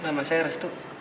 nama saya restu